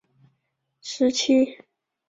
主要指泡沫经济破灭后的就业困难的时期。